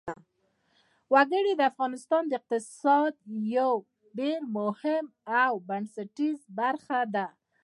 وګړي د افغانستان د اقتصاد یوه ډېره مهمه او بنسټیزه برخه ده.